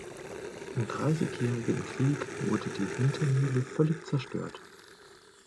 Im Dreißigjährigen Krieg wurde die Hintermühle völlig zerstört.